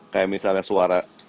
kayak misalnya suara